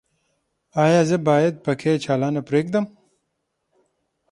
ایا زه باید پکۍ چالانه پریږدم؟